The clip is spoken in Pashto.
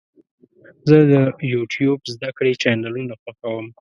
زه د یوټیوب زده کړې چینلونه خوښوم.